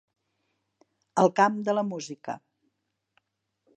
El camp de la música.